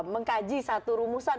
mengkaji satu rumusan